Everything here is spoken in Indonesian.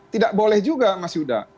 tidak boleh juga mas yuda